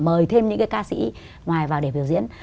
mời thêm những cái ca sĩ ngoài vào để biểu diễn